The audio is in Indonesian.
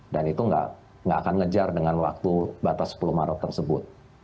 dan itu tidak akan mengejar dengan waktu batas sepuluh maret tersebut